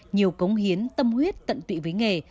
nhiều cống hiến tâm huyết tận tụy với nghề